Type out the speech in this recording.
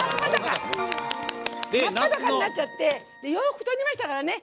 まる裸になっちゃって洋服取りましたからね。